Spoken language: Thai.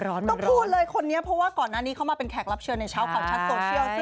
ต้องพูดเลยคนนี้เพราะว่าก่อนหน้านี้เขามาเป็นแขกรับเชิญในเช้าข่าวชัดโซเชียลสิ